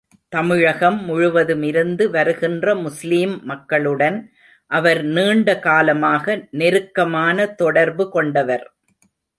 தமிழகம் முழுவதுமிருந்து வருகின்ற முஸ்லீம் மக்களுடன், அவர் நீண்ட காலமாக நெருக்கமான தொடர்பு கொண்டவர்.